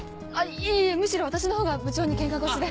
いえいえむしろ私のほうが部長に喧嘩腰で。